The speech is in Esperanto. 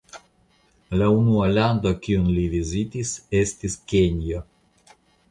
La unua lando kiun li vizitis estis Kenjo.